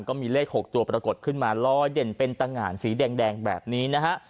ก็มีเลข๖ตัวปรากฏขึ้นมาลอยเด่นเป็นตะงานสีแดงแบบนี้นะฮะ